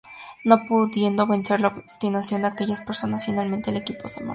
No pudiendo vencer la obstinación de aquellas personas, finalmente el equipo se marcha.